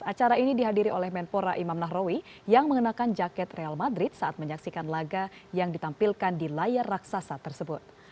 acara ini dihadiri oleh menpora imam nahrawi yang mengenakan jaket real madrid saat menyaksikan laga yang ditampilkan di layar raksasa tersebut